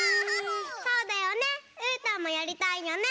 そうだよねうーたんもやりたいよね。